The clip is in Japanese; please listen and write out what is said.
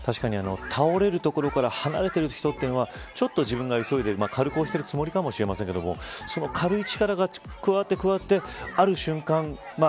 確かに倒れるところから離れている人というのはちょっと自分が急いで軽く押してるつもりかもしれませんがその軽い力が加わって加わってある瞬間